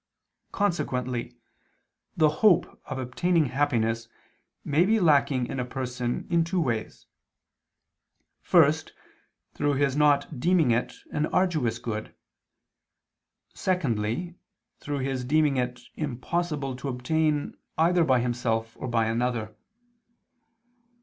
Consequently the hope of obtaining happiness may be lacking in a person in two ways: first, through his not deeming it an arduous good; secondly, through his deeming it impossible to obtain either by himself, or by another.